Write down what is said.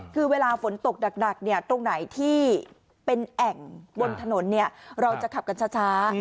คือเวลาฝนตกหนักตรงไหนที่เป็นแอ่งบนถนนเราจะขับกันช้า